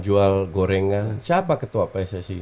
jual gorengan siapa ketua pssi